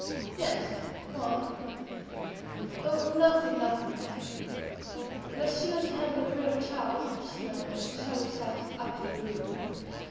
"Yes. Why?" "Oh, nothing, nothing, my dear!" And as soon as she had got rid of Charles she went and shut herself up in her room.